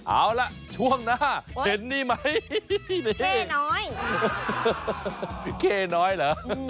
เอาล่ะช่วงหน้าเห็นนี่ไหม